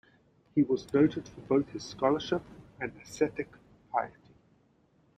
He was noted for both his scholarship and ascetic piety.